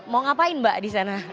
mau ngapain mbak di sana